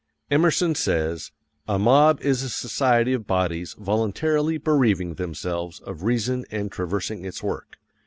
_ Emerson says: "A mob is a society of bodies voluntarily bereaving themselves of reason and traversing its work.